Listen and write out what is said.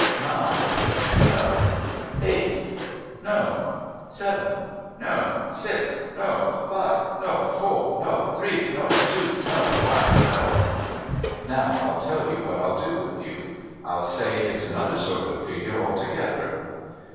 Nine? No. Eight? No. Seven? No. Six? No. Five? No. Four? No. Three? No. Two? No, One? No. Now I'll tell you what I'll do with you. I'll say it's another sort of figure altogether.